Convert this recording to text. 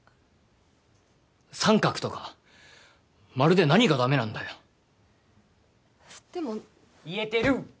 三角とか丸で何がダメなんだよでも言えてる！